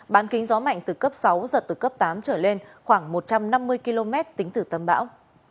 bán kính gió mạnh từ cấp sáu giật từ cấp tám trở lên khoảng một trăm năm mươi km tính từ tâm bão